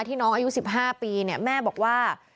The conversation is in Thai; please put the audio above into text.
น้องอายุ๑๕ปีแม่บอกว่า